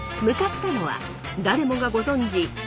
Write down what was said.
向かったのは誰もがご存じ！